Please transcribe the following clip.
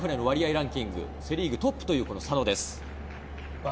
ランキング、セ・リーグトップという佐野です。